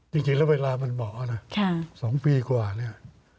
จริงแล้วเวลามันเหมาะนะ๒ปีกว่าเนี่ย